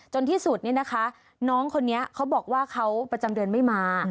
ที่สุดเนี่ยนะคะน้องคนนี้เขาบอกว่าเขาประจำเดือนไม่มา